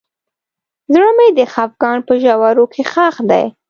زړه مې د خفګان په ژورو کې ښخ دی.